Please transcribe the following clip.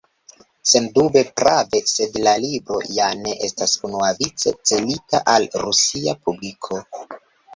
Sendube prave, sed la libro ja ne estas unuavice celita al rusia publiko.